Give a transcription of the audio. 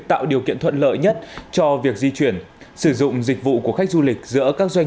tạo điều kiện thuận lợi nhất cho việc di chuyển sử dụng dịch vụ của khách du lịch giữa các doanh